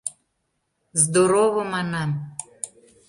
— Здорово, манам.